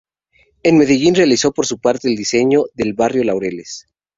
En Medellín realizó por su parte el diseño del barrio Laureles.